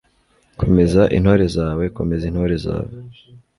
komeza intore zawe, komeza intore zawe